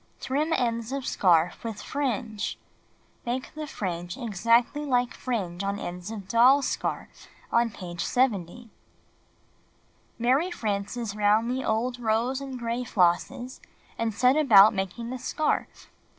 Trim ends of scarf with fringe. Make the fringe exactly Hke fringe on ends of Doll's Scarf, page 70. Mary Frances lound the old rose and gray flosses, and set about making the scarf.